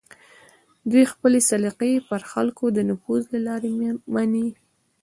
دوی خپلې سلیقې پر خلکو د نفوذ له لارې مني